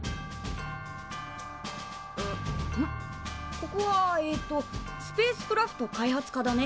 ここはえっとスペースクラフト開発科だね。